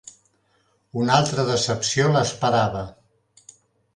Una altra decepció l"esperava